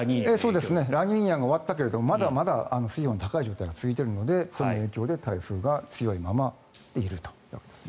ラニーニャが終わったけれどもまだまだ水温が高い状態が続いているのでその影響で台風が強いままいるというわけですね。